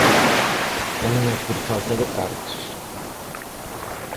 E non é por falta de cartos.